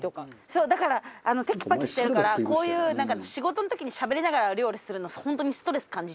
そうだからテキパキしてるからこういう仕事の時にしゃべりながら料理するの本当にストレス感じちゃう。